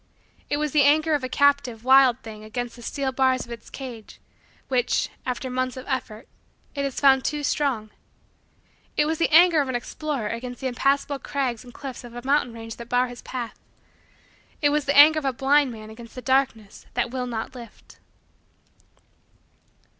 It was the anger of a captive, wild thing against the steel bars of its cage, which, after months of effort, it has found too strong. It was the anger of an explorer against the impassable crags and cliffs of a mountain range that bars his path. It was the anger of a blind man against the darkness that will not lift.